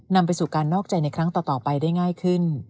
นำไปสู่การนอกใจในครั้งต่อไปได้ง่ายขึ้น